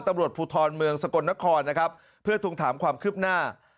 ตำรวจภูทรเมืองสกลนครนะครับเพื่อทวงถามความคืบหน้า